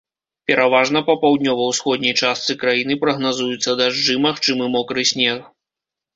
Пераважна па паўднёва-ўсходняй частцы краіны прагназуюцца дажджы, магчымы мокры снег.